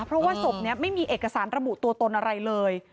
เพราะว่าศพนี้ไม่มีเอกสารระบุตัวตนอะไรเลย